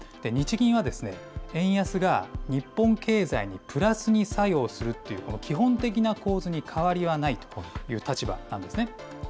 日銀は、円安が日本経済にプラスに作用するという基本的な構図に変わりはないという立場なんですね。